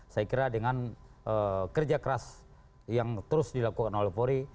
saya kira dengan kerja keras yang terus dilakukan oleh polri